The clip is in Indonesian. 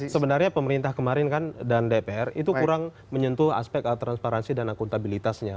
sebenarnya pemerintah kemarin kan dan dpr itu kurang menyentuh aspek transparansi dan akuntabilitasnya